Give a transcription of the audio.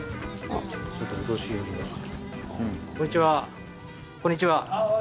あっこんにちは。